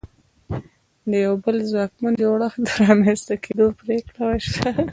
د یوه بل ځواکمن جوړښت د رامنځته کېدو پرېکړه وشوه.